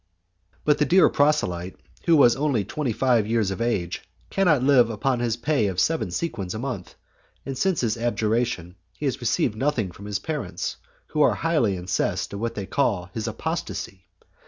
But the dear proselyte, who is only twenty five years of age, cannot live upon his pay of seven sequins a month, and since his abjuration he has received nothing from his parents, who are highly incensed at what they call his apostacy.